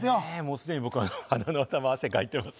すでに鼻の頭に汗かいてます